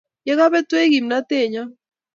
Ye kabetwech kimnatennyo